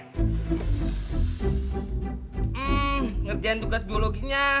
hmm ngerjain tugas biologinya